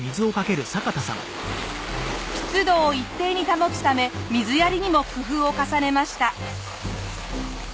湿度を一定に保つため水やりにも工夫を重ねました。